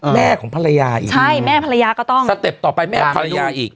แม่ของภรรยาอีกสเต็ปต่อไปแม่ของภรรยาอีก